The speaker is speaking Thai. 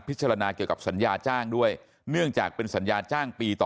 เกี่ยวกับสัญญาจ้างด้วยเนื่องจากเป็นสัญญาจ้างปีต่อ